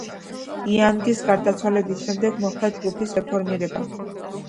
იანგის გარდაცვალების შემდეგ მოხდა ჯგუფის რეფორმირება.